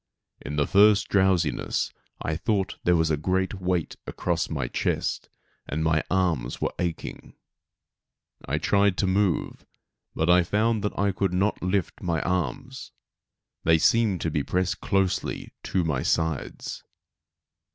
In the first drowsiness I thought there was a great weight across my chest; and my arms were aching. I tried to move, but found that I could not lift my arms. They seemed to be pressed closely to my aides.